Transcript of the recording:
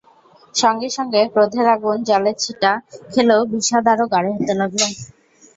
সঙ্গে সঙ্গে ক্রোধের আগুন জলের ছিটা খেলেও বিষাদ আরও গাঢ় হতে লাগল।